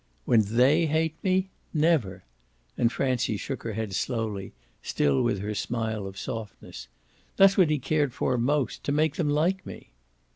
"When THEY hate me? Never!" And Francie shook her head slowly, still with her smile of softness. "That's what he cared for most to make them like me."